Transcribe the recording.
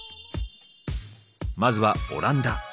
まずはオランダ。